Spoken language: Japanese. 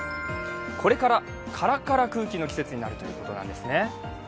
これからカラカラの季節になるということなんですね。